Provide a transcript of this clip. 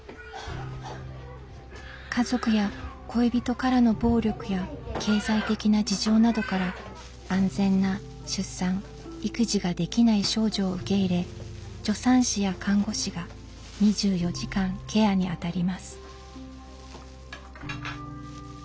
家族や恋人からの暴力や経済的な事情などから安全な出産・育児ができない少女を受け入れ助産師や看護師が２４時間ケアに当たります。